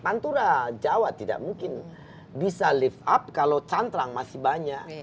pantura jawa tidak mungkin bisa lift up kalau cantrang masih banyak